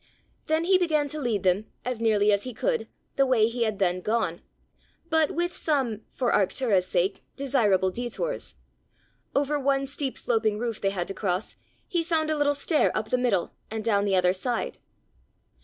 Then he began to lead them, as nearly as he could, the way he had then gone, but with some, for Arctura's sake, desirable detours: over one steep sloping roof they had to cross, he found a little stair up the middle, and down the other side.